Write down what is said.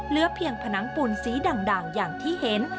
เหลือเพียงผนังปูนสีด่างอย่างที่เห็น